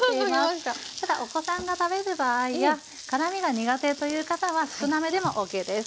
ただお子さんが食べる場合や辛みが苦手という方は少なめでもＯＫです。